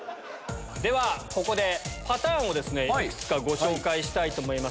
では、ここでパターンをいくつかご紹介したいと思います。